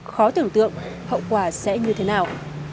khó tưởng tượng hậu quả sẽ như thế nào